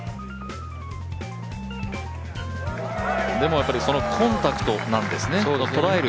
でもやっぱりコンタクトなんですよね、とらえる。